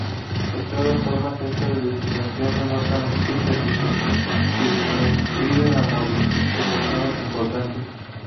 De todas formas estas designaciones no son estrictas y se circunscriben a modificaciones importantes.